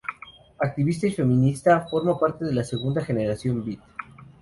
Activista y feminista, forma parte de la segunda Generación beat.